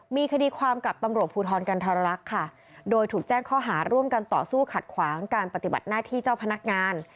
มีคดีความกับตำรวจภูทรกันธรรลักษณ์ค่ะโดยถูกแจ้งข้อหาร่วมกันต่อสู้ขัดขวางการปฏิบัติหน้าที่เจ้าพนักงาน